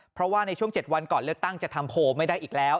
เพราะว่าในช่วง๗วันก่อนเลือกตั้งจะทำโพลไม่ได้อีกแล้ว